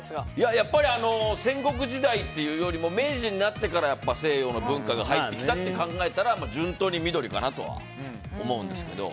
やっぱり戦国時代っていうよりも明治になってから西洋の文化が入ってきたと考えたら順当に緑かなとは思うんですけど。